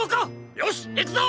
よしいくぞ！